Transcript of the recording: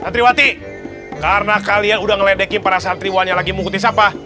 santriwati karena kalian udah ngeledekin para santriwan yang lagi mengutin sampah